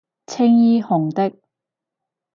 青衣紅的